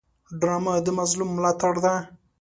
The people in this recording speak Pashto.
ډرامه د مظلوم ملاتړ ده